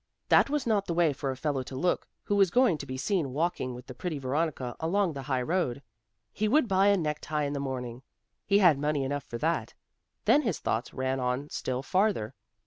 That was not the way for a fellow to look who was going to be seen walking with the pretty Veronica along the high road. He would buy a neck tie in the morning; he had money enough for that. Then his thoughts ran on still farther.